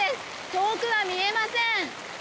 遠くが見えません。